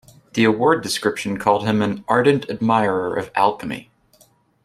The award description called him an ardent admirer of alchemy.